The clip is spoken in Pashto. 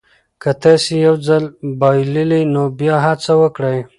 که تاسي یو ځل بایللي نو بیا هڅه وکړئ.